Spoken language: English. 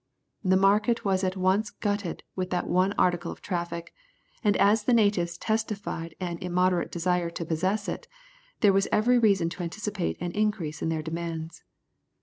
The market was at once glutted with that one article of traffic, and as the natives testified an immoderate desire to possess it, there was every reason to anticipate an increase in their demands.